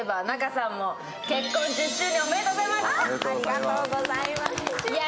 ありがとうございます。